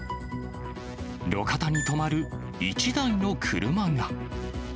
路肩に止まる一台の車が。